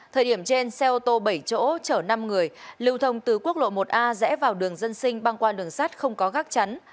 thời điểm trên xe ô tô bảy chỗ chở năm người lưu thông từ quốc lộ một a rẽ vào đường dân sinh băng qua đường sát không có gác chắn